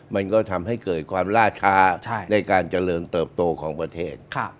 มันก็ทำให้เกิดความล่าช้าในการเจริญเติบโตของประเทศ